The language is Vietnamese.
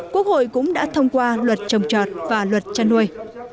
quốc hội cũng đã thông qua luật trồng trọt và luật chăn nuôi